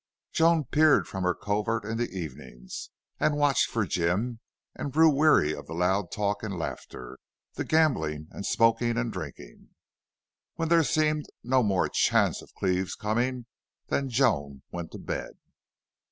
Joan peered from her covert in the evenings, and watched for Jim, and grew weary of the loud talk and laughter, the gambling and smoking and drinking. When there seemed no more chance of Cleve's coming, then Joan went to bed.